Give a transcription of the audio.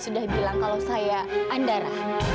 sudah bilang kalau saya andara